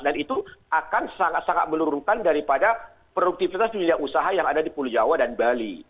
dan itu akan sangat sangat menurunkan daripada produktivitas dunia usaha yang ada di pulau jawa dan bali